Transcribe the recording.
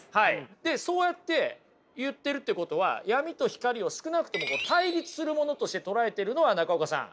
でそうやって言ってるってことは闇と光を少なくても対立するものとして捉えているのは中岡さん